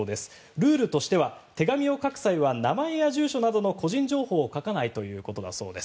ルールとしては手紙を書く際は名前や住所などの個人情報を書かないということだそうです。